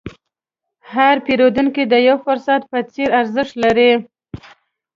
هر پیرودونکی د یو فرصت په څېر ارزښت لري.